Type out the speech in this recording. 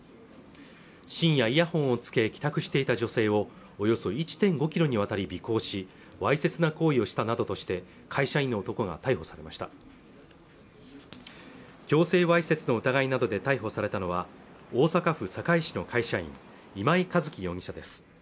深夜イヤホンをつけ帰宅していた女性をおよそ１．５ｋｍにわたり尾行しわいせつな行為をしたなどとして会社員の男が逮捕されました強制わいせつの疑いなどで逮捕されたのは大阪府堺市の会社員今井一希容疑者です